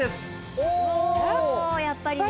おおやっぱりね。